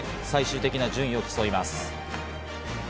最終的な順位を競います。